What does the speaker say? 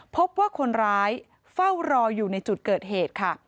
พบว่าคนร้ายเฝ้ารออยู่ในจุดเกิดเหตุค่ะ